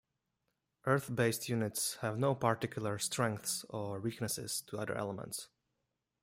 Earth-based units have no particular strengths or weaknesses to other elements.